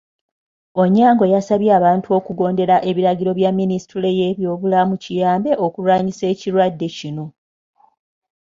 Onyango yasabye abantu okugondera ebiragiro bya Minisitule y'ebyobulamu kiyambe okulwanyisa ekirwadde kino.